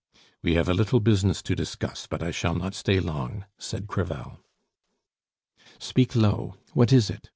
"We have a little business to discuss, but I shall not stay long," said Crevel. "Speak low. What is it?"